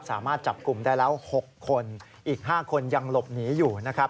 สามารถจับกลุ่มได้แล้ว๖คนอีก๕คนยังหลบหนีอยู่นะครับ